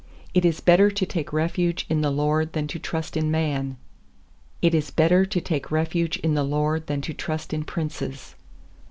8It is better to take refuge in the LORD Than to trust in man. 9It is better to take refuge in the LORD Than to trust in princes.